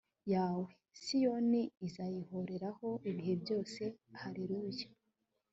yawe siyoni izayihoraho ibihe byose haleluya